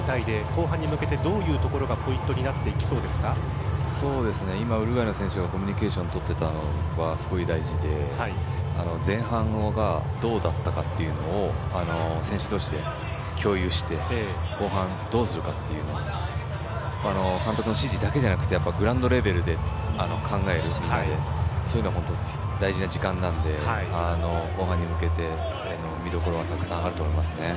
後半に向けてどういうところがポイントに今ウルグアイの選手がコミュニケーションを取っていたのは、すごく大事で前半がどうだったかというのを選手同士で共有して後半、どうするかというのを監督の指示だけじゃなくグラウンドレベルで考える、みんなでそういうのは大事なので後半に向けて見どころがたくさんあると思います。